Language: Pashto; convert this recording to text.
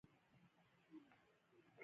ناسمه لاره بده ده.